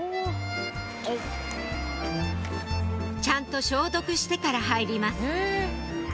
ちゃんと消毒してから入ります